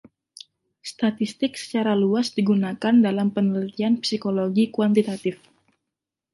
Statistik secara luas digunakan dalam penelitian psikologi kuantitatif.